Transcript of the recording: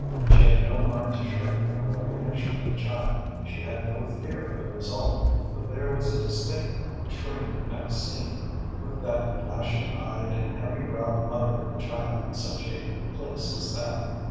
She had no mind to shrink from a recognition of the child; she had no fear of the result, but there was a distinct shrinking at a scene with that flashing eyed and heavy browed mother of the child in such a place as that.